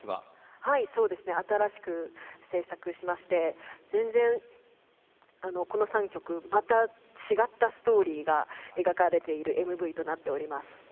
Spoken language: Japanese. はい、新しく制作しまして全然、この３曲また違ったストーリーが描かれているＭＶとなっております。